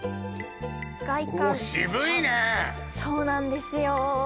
外観そうなんですよ